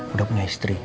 udah punya istri